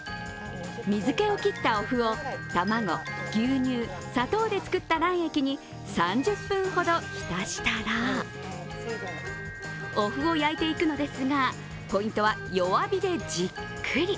水けを切ったおふを、卵、牛乳、砂糖で作った卵液に３０分ほど浸したらおふを焼いていくのですがポイントは弱火でじっくり。